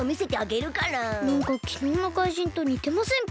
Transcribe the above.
なんかきのうの怪人とにてませんか？